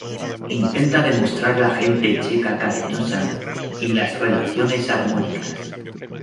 Intenta demostrar la gente checa cariñosa y las relaciones armónicas.